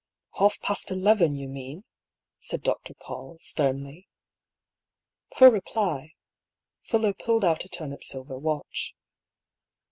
" Half past eleven, you mean !" said Dr. PauU, sternly. For reply. Fuller pulled out a turnip silver watch.